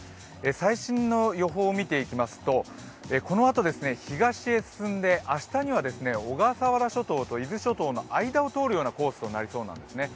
最新の予報を見ていきますと、このあと東へ進んで明日には小笠原諸島と伊豆諸島の間を通るコースになりそうなんですね。